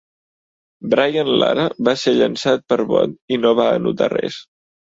Brian Lara va ser llançat per Bond i no va anotar res.